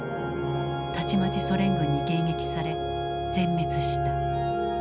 たちまちソ連軍に迎撃され全滅した。